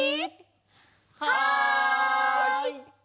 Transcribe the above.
はい！